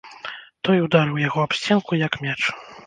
Той ударыў яго аб сценку, як мяч.